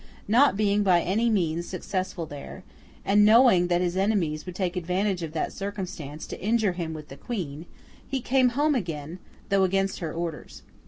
Not being by any means successful there, and knowing that his enemies would take advantage of that circumstance to injure him with the Queen, he came home again, though against her orders.